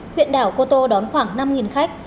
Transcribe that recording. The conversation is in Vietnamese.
huyện đảo cô tô đón khoảng năm khách